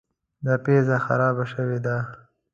دا پزه خرابه شوې ده.